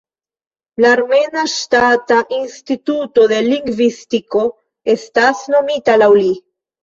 La armena Ŝtata Instituto de Lingvistiko estas nomita laŭ li.